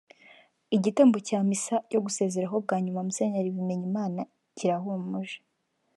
Igitambo cya misa yo gusezeraho bwa nyuma Musenyeri Bimenyimana kirahumuje…